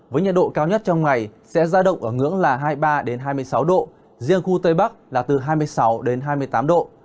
với nhiệt độ cao nhất trong ngày sẽ ra động ở ngưỡng là hai mươi ba hai mươi sáu độ riêng khu tây bắc là từ hai mươi sáu hai mươi tám độ